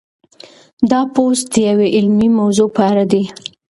دا پوسټ د یوې علمي موضوع په اړه دی.